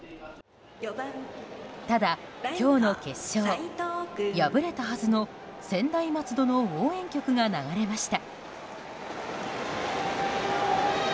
ただ、今日の決勝敗れたはずの専大松戸の応援曲が流れました。